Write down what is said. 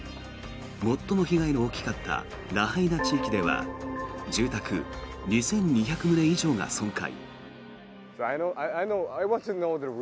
最も被害の大きかったラハイナ地域では住宅２２００棟以上が損壊。